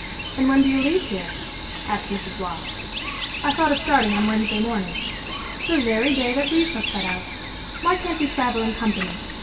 "And when do you leave here?" asked Mrs. Waugh. "I thought of starting on Wednesday morning." "The very day that we shall set out why can't we travel in company?"